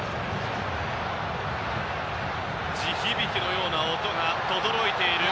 地響きのような音が轟いている